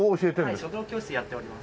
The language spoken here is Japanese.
はい書道教室やっております。